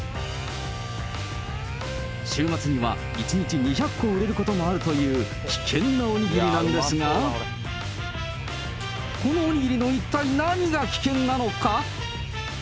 週末には１日２００個売れることもあるという、危険なおにぎりなんですが、このおにぎりの一体何が危険なのか？